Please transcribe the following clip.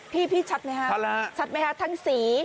พี่ชัดไหมทางสี